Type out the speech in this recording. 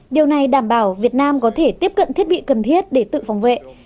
điều này đảm bảo việt nam có thể tiếp cận thiết bị cần thiết để tự phòng vệ